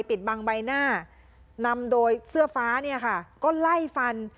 ปิดบังใบหน้านำโดยเสื้อฟ้าเนี่ยค่ะก็ไล่ฟัน